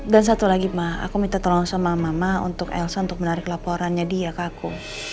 dan satu lagi ma aku minta tolong sama mama untuk elsa untuk menarik laporannya dia ke aku